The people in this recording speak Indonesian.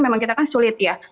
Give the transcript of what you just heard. memang kita kan sulit ya